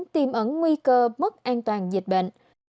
tiêm ẩn nguy cơ mất an toàn dịch bệnh